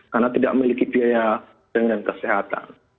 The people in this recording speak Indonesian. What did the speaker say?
karena tidak memiliki biaya dengan kesehatan